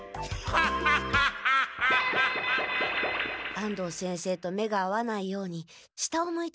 安藤先生と目が合わないように下を向いて食べよう。